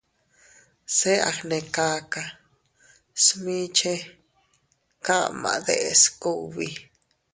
Se a gnekaka smiche kama deʼes kugbi.